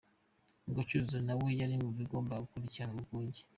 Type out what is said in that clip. Ubwo Cyuzuzo na we yari mu bagombaga gukinira urwunge.